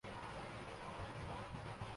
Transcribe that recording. رشتے عمر کے ہر مر حلے پر سکون کی علامت ہوتے ہیں۔